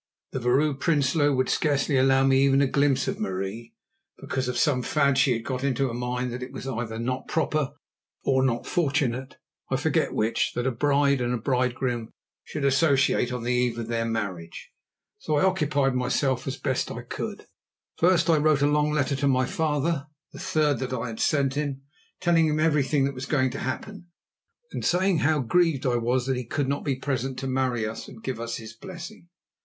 The Vrouw Prinsloo would scarcely allow me even a glimpse of Marie, because of some fad she had got into her mind that it was either not proper or not fortunate, I forget which, that a bride and bridegroom should associate on the eve of their marriage. So I occupied myself as best I could. First I wrote a long letter to my father, the third that I had sent, telling him everything that was going to happen, and saying how grieved I was that he could not be present to marry us and give us his blessing.